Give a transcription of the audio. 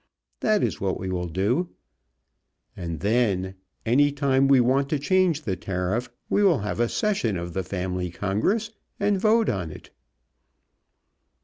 That is what we will do and then, any time we want to change the tariff we will have a session of the family congress, and vote on it."